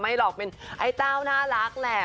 หรอกเป็นไอ้เต้าน่ารักแหละ